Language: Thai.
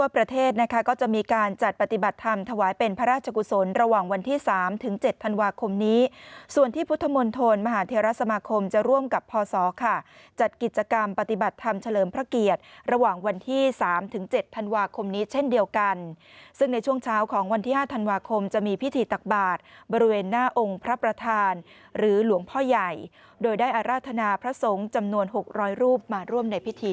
ประเทศนะคะก็จะมีการจัดปฏิบัติธรรมถวายเป็นพระราชกุศลระหว่างวันที่๓๗ธันวาคมนี้ส่วนที่พุทธมนตร์โทรมหาเทราสมคมจะร่วมกับพศค่ะจัดกิจกรรมปฏิบัติธรรมเฉลิมพระเกียรติระหว่างวันที่๓๗ธันวาคมนี้เช่นเดียวกันซึ่งในช่วงเช้าของวันที่๕ธันวาคมจะม